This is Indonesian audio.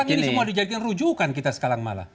ini semua dijadikan rujukan kita sekarang malah